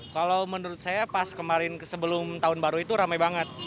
kalau menurut saya pas kemarin sebelum tahun baru itu ramai banget